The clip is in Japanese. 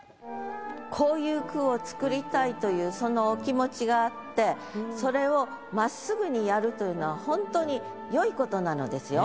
こういう句を作りたいというそのお気持ちがあってそれをまっすぐにやるというのはほんとによい事なのですよ。